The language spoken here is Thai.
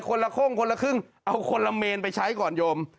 คนละโค้งคนละครึ่งเอาคนละเมนไปใช้ก่อนโยม